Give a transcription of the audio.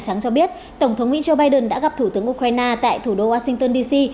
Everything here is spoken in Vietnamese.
trắng cho biết tổng thống mỹ joe biden đã gặp thủ tướng ukraine tại thủ đô washington dc